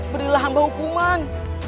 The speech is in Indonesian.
berilah hamba hukuman